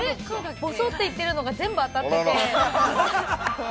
◆ぼそっと言っているのが全部当たってて。